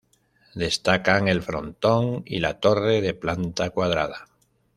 Destacan el frontón y la torre de planta cuadrada.